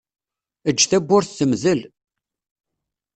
Eǧǧ tawwurt temdel.